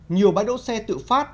nhiều bãi đỗ xe tự phát